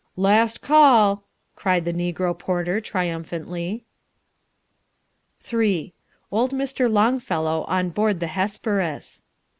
"Last call!" cried the negro porter triumphantly. III. OLD MR. LONGFELLOW ON BOARD THE HESPERUS.